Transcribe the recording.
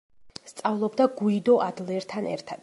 სწავლობდა გუიდო ადლერთან ერთად.